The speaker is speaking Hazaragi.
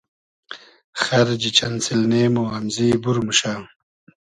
خئرجی چئن سیلنې مو امزی بور موشۂ